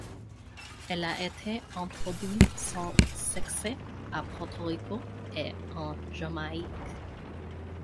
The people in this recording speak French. Elle a été introduite sans succès à Porto Rico et en Jamaïque.